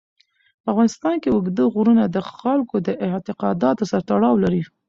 په افغانستان کې اوږده غرونه د خلکو د اعتقاداتو سره تړاو لري.